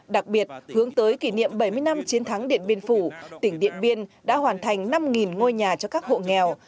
đặc biệt hướng tới kỷ niệm bảy mươi năm chiến thắng điện biên phủ tỉnh điện biên đã hoàn thành năm ngôi nhà cho các hộ nghèo